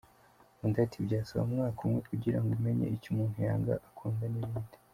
Undi ati“ Byasaba umwaka umwe kugira ngo umenye icyo umuntu yanga, akunda n’ibindi.